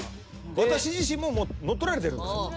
私自身も乗っ取られてるんです。